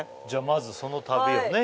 まずその旅をね